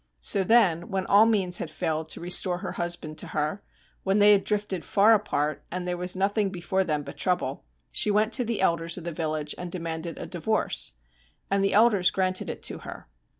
So then when all means had failed to restore her husband to her, when they had drifted far apart and there was nothing before them but trouble, she went to the elders of the village and demanded a divorce. And the elders granted it to her.